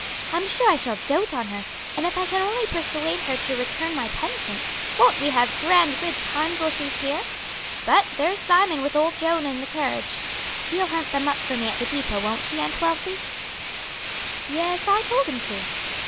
I'm sure I shall dote on her; and if I can only persuade her to return my penchant, won't we have grand good times while she's here? But there's Simon with old Joan and the carriage. He'll hunt them up for me at the depot; won't he, Aunt Wealthy?" "Yes, I told him to."